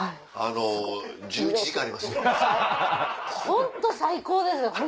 ホント最高ですね。